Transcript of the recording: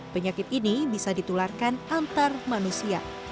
penyakit ini bisa ditularkan antar manusia